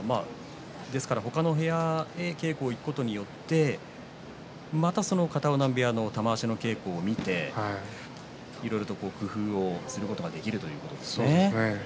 他の部屋に出稽古に行くことによってまた、その片男波部屋の玉鷲の稽古を見ていろいろと工夫をすることができるということですね。